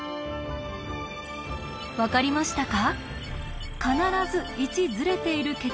分かりましたか？